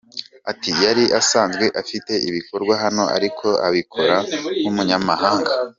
Ati “Yari asanzwe afite ibikorwa hano ariko abikora nk’umunyamahanga.